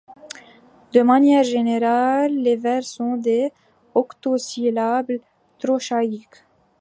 De manière générale, les vers sont des octosyllabes trochaïques.